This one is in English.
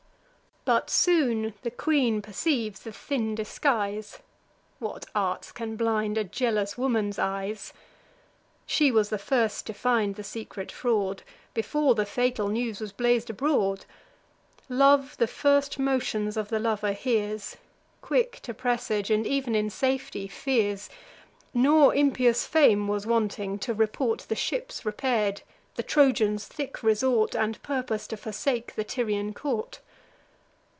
But soon the queen perceives the thin disguise: (What arts can blind a jealous woman's eyes!) She was the first to find the secret fraud, Before the fatal news was blaz'd abroad. Love the first motions of the lover hears, Quick to presage, and ev'n in safety fears. Nor impious Fame was wanting to report The ships repair'd, the Trojans' thick resort, And purpose to forsake the Tyrian court.